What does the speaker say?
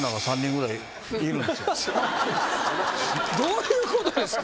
どういうことですか？